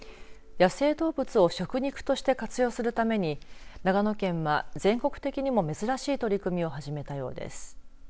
野生動物を食肉として活用するために長野県は全国的にも珍しい取り組みを始めたようです。